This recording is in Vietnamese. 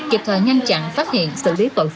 kịp thời nhanh chặn phát hiện xử lý tội phạm tại cơ sở